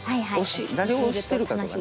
誰を推してるかとかね。